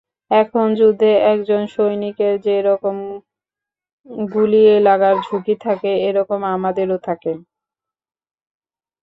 এখন যুদ্ধে একজন সৈনিকের যেরকম গুলি লাগার ঝুঁকি থাকে, এরকম আমাদেরও থাকে।